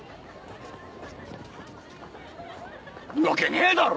いいわけねえだろ！